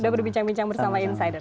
sudah berbincang bincang bersama insider